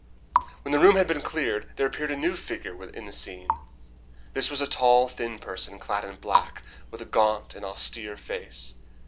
When the room had been cleared there appeared a new figure upon the scene. This was a tall, thin person clad in black, with a gaunt and austere face.